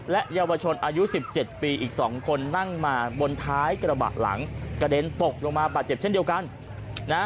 และเยาวชนอายุ๑๗ปีอีก๒คนนั่งมาบนท้ายกระบะหลังกระเด็นตกลงมาบาดเจ็บเช่นเดียวกันนะฮะ